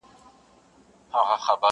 چي یو زه وای یوه ته وای!